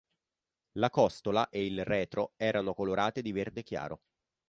La costola e il retro erano colorate di verde chiaro.